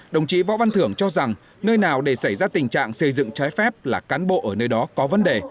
đồng chí võ văn thưởng cho rằng nơi nào để xảy ra tình trạng xây dựng trái phép là cán bộ ở nơi đó có vấn đề